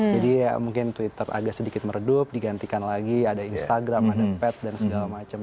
jadi ya mungkin twitter agak sedikit meredup digantikan lagi ada instagram ada pat dan segala macam